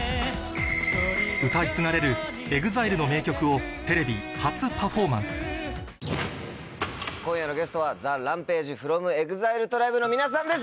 広げをテレビ初パフォーマンス今夜のゲストはＴＨＥＲＡＭＰＡＧＥｆｒｏｍＥＸＩＬＥＴＲＩＢＥの皆さんです